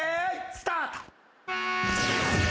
スタート。